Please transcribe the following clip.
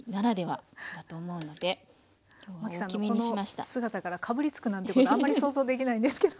マキさんのこの姿からかぶりつくなんてことあんまり想像できないんですけど。